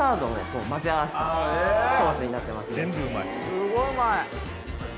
すごいうまい。